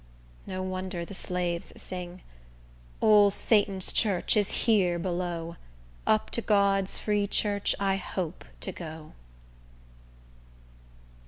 No wonder the slaves sing,— Ole Satan's church is here below; Up to God's free church I hope to go.